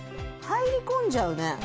入り込んじゃうね。